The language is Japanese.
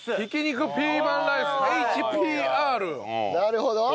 なるほど。